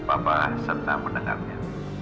aku senang mendengarnya